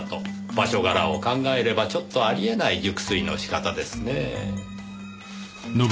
場所柄を考えればちょっとあり得ない熟睡の仕方ですねぇ。